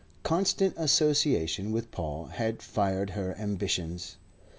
Constant association with Paul had fired her ambitions.